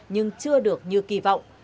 nhưng chưa được như kỳ vọng